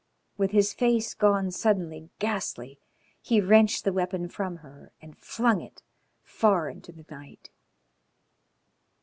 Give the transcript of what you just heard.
With his face gone suddenly ghastly he wrenched the weapon from her and flung it far into the night.